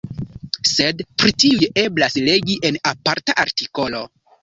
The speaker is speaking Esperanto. Sed pri tiuj eblas legi en aparta artikolo.